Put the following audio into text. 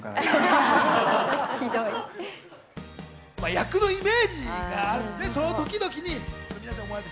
役のイメージがあるんですね、その時々に。